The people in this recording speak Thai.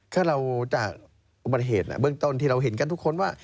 ถ้าเราจากอุบัติเหตุเบื้องต้นที่เราเห็นกันทุกคนว่า